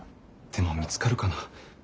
でも見つかるかな。